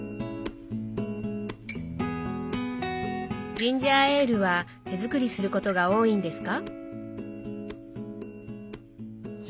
ジンジャーエールは手作りすることが多いんですか？